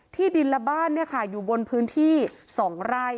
ที่ดินและบ้านอยู่บนพื้นที่๒ไร่